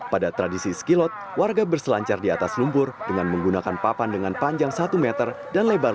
pada tradisi skilot warga berselancar di atas lumpur dengan menggunakan papan dengan panjang satu meter dan lebar